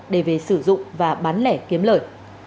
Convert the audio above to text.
để về sử dụng và bán lẻ kiếm lợi